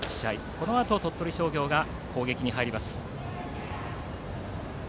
このあと鳥取商業が攻撃に入ります。